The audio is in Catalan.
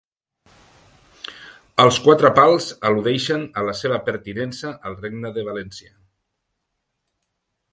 Els quatre pals al·ludeixen a la seva pertinença al Regne de València.